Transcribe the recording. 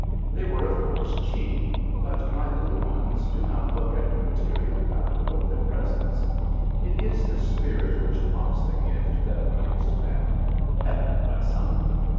They were, of course, cheap, but my little ones do not look at the material value of their presents. It is the spirit which prompts the gift that appeals to them Heaven bless 'em!